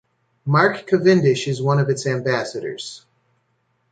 Mark Cavendish is one of its ambassadors.